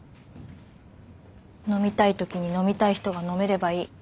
飲みたい時に飲みたい人が飲めればいい。